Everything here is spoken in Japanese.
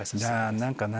何かな。